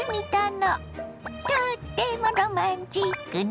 とってもロマンチックね。